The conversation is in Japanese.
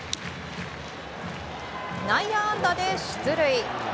内野安打で出塁。